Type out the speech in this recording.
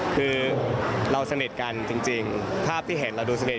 คือเราสนิทกันจริงภาพที่เห็นเราดูสนิท